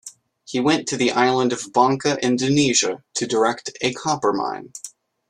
He went to the island of Banka, Indonesia, to direct a copper-mine.